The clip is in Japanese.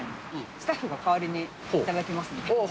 スタッフが代わりに頂きますので。